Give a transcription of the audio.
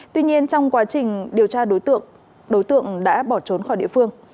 tuy nhiên trong quá trình điều tra đối tượng đối tượng đã bỏ trốn khỏi địa phương